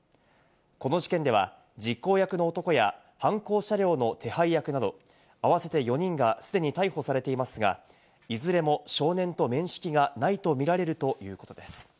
この事件では、実行役の男や、犯行車両の手配役など、合わせて４人が既に逮捕されていますが、いずれも少年と面識がないと見られるということです。